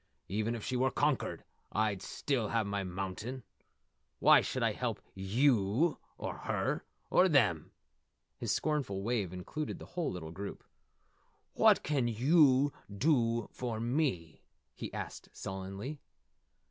Even if she were conquered I'd still have my Mountain. Why should I help yew or her or them?" His scornful wave included the whole little group. "What can yew dew for me?" he asked sullenly.